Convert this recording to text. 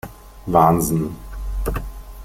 Wahnsinn!